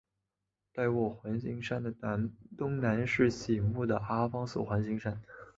戴维环形山的东南是醒目的阿方索环形山。